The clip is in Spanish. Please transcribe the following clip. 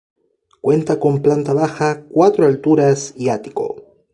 Cuenta con planta baja, cuatro alturas y ático.